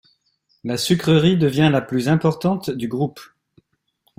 La sucrerie devient la plus importante du groupe.